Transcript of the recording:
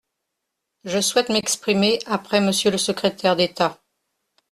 Je souhaite m’exprimer après Monsieur le secrétaire d’État.